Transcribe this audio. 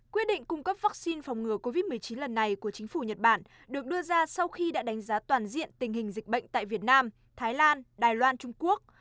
quyết định cung cấp vaccine phòng ngừa covid một mươi chín lần này của chính phủ nhật bản được đưa ra sau khi đã đánh giá toàn diện tình hình dịch bệnh tại việt nam thái lan đài loan trung quốc